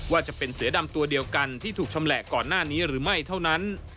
ว่าจะเป็นเสือดำตัวเดียวกันที่ถูกชำแหละก่อนหน้านี้หรือไม่เท่านั้น